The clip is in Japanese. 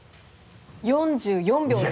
４４秒です。